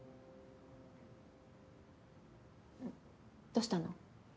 どうしたの？